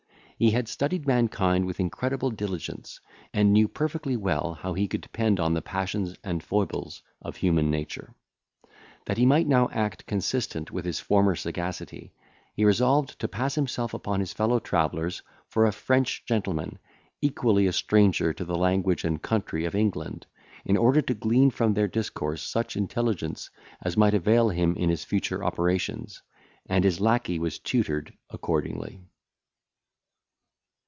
He had studied mankind with incredible diligence, and knew perfectly well how far he could depend on the passions and foibles of human nature. That he might now act consistent with his former sagacity, he resolved to pass himself upon his fellow travellers for a French gentleman, equally a stranger to the language and country of England, in order to glean from their discourse such intelligence as might avail him in his future operations; and his lacquey was tutored accordingly.